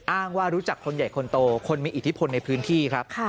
อ้างว่ารู้จักคนใหญ่คนโตคนมีอิทธิพลในพื้นที่ครับ